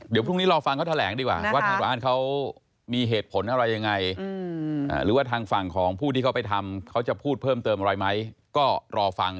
เดี๋ยวพรุ่งนี้รอฟังเขาแถลงดีกว่าว่าทางร้านเขามีเหตุผลอะไรยังไงหรือว่าทางฝั่งของผู้ที่เขาไปทำเขาจะพูดเพิ่มเติมอะไรไหมก็รอฟัง